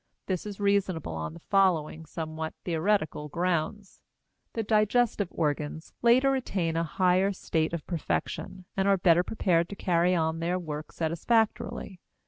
This is reasonable on the following somewhat theoretical grounds. The digestive organs later attain a higher state of perfection, and are better prepared to carry on their work satisfactorily.